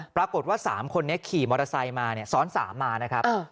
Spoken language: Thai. ปรากฏว่า๓คนนี้ขี่มอเตอร์ไซค์มาซ้อน๓มานะครับ